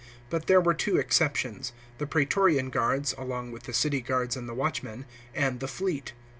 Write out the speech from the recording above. But there were two exceptions : the Praetorian guards (along with the City guards and the Watchmen) and the fleet.